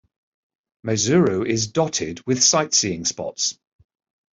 Maizuru is dotted with sightseeing spots.